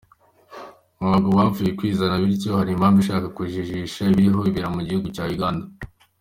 Ntabwo byapfuye kwizana bityo, hari impavu ishaka kujijisha, ibiriho bibera mugihugu cya Uganda.